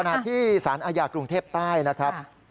ในสถานอาญากรุงเทพใต้นะครับ